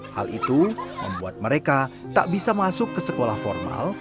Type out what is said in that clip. hal itu membuat mereka tak bisa masuk ke sekolah formal